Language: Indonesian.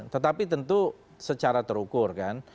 tetapi tentu secara terukur kan